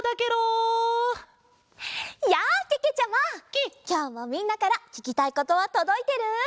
きょうもみんなからききたいことはとどいてる？